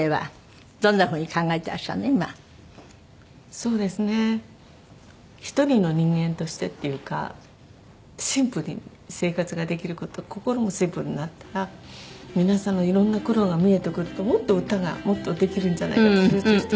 そうですね一人の人間としてっていうかシンプルに生活ができる事心もシンプルになったら皆さんのいろんな苦労が見えてくるともっと歌がもっとできるんじゃないかって集中して。